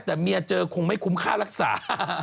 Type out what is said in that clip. แต่เมียเจอคงไม่คุ้มค่ารักษา